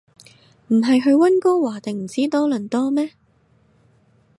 唔係去溫哥華定唔知多倫多咩